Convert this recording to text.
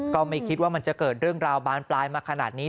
ก็ไม่คิดว่ามันจะเกิดเรื่องราวบานปลายมาขนาดนี้